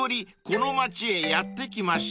この町へやって来ました］